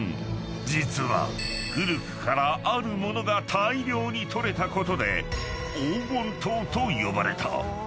［実は古くからあるものが大量に採れたことで黄金島と呼ばれた］